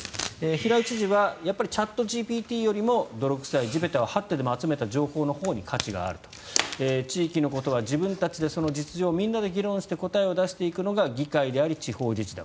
平井知事はやっぱりチャットＧＰＴよりも泥臭い、地べたをはってでも集めた情報のほうに価値がある地域のことは自分たちでその実情をみんなで議論して答えを出していくのが議会であり地方自治だ。